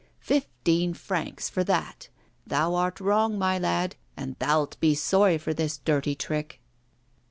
Fifteen francs for that! Thou art wrong, my lad, and thou'lt be sorry for this dirty trick.